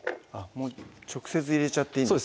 もう直接入れちゃっていいんですね